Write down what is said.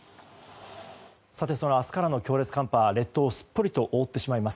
その明日からの強烈寒波列島をすっぽりと覆ってしまいます。